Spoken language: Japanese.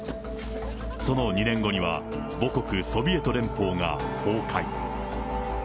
その２年後には母国、ソビエト連邦が崩壊。